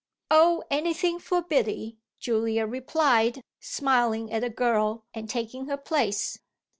"Oh anything for Biddy!" Julia replied, smiling at the girl and taking her place.